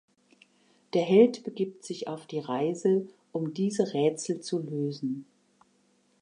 Der Held begibt sich auf die Reise, um diese Rätsel zu lösen.